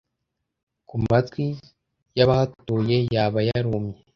Ku matwi y'abahatuye Yaba yarumye